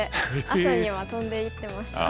朝には飛んでいってました。